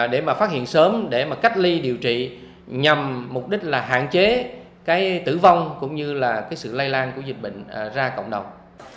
để phát hiện sớm để cách ly điều trị nhằm mục đích là hạn chế tử vong cũng như sự lây lan của dịch bệnh ra cộng đồng